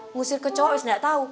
ngusir ke cowok terus nggak tahu